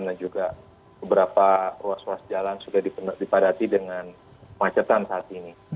dan juga beberapa ruas ruas jalan sudah dipadati dengan macetan saat ini